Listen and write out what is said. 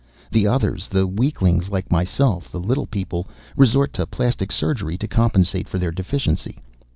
The others, the weaklings like myself, the little people, resort to plastic surgery to compensate for their deficiency.